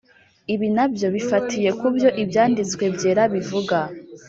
Ibi nabyo bifatiye ku byo Ibyanditswe Byera bivuga,